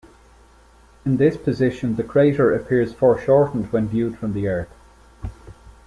In this position the crater appears foreshortened when viewed from the Earth.